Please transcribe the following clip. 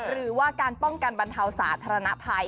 หรือว่าการป้องกันบรรเทาสาธารณภัย